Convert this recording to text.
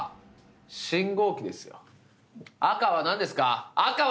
赤は何ですか？